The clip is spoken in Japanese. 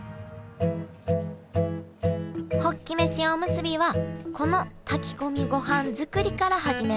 ホッキ飯おむすびはこの炊き込みごはん作りから始めます。